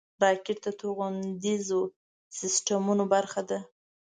راکټ د توغندیزو سیسټمونو برخه ده